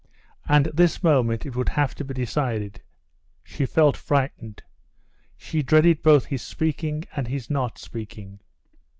And this moment it would have to be decided. She felt frightened. She dreaded both his speaking and his not speaking.